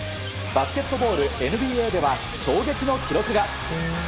バスケットボールＮＢＡでは衝撃の記録が。